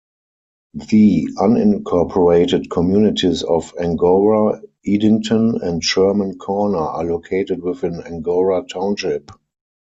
The unincorporated communities of Angora, Idington, and Sherman Corner are located within Angora Township.